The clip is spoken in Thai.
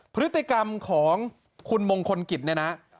พฤติกรรมของคุณมงคลกิจเนี่ยนะ